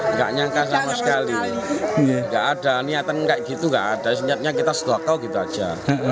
nggak nyangka sama sekali nggak ada niatan kayak gitu niatnya kita setuah kau gitu aja